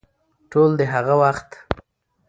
ټول د هغه وخت